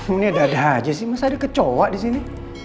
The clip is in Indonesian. ini ada ada aja sih mas ada kecoa disini